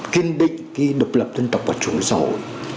kiên định cái độc lập dân tộc và chủ nghĩa xã hội